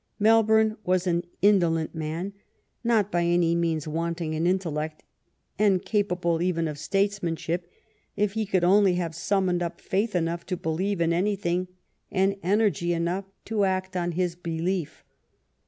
Melbourne was an indolent man, not by any means wanting in intellect, and capa ble even of statesmanship, if he could only have summoned up faith enough to believe in anything and energy enough to act on his belief.